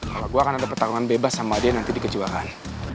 kalau gue akan ada pertarungan bebas sama dia nanti di kejiwaan